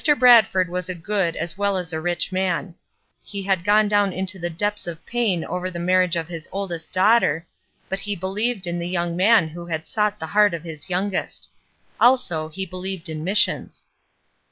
Bradford was a good as well as a rich man. SACRIFICE 27 He had gone down into the depths of pain over the marriage of his oldest daughter ; but he be lieved in the young man who had sought the heart of his youngest. Also, he believed in missions.